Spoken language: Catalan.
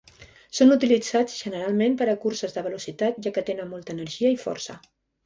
Són utilitzats generalment per a curses de velocitat, ja que tenen molta energia i força.